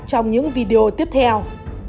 trong những video tiếp theo